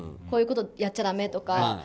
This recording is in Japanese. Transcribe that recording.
こういうことをやっちゃだめとか。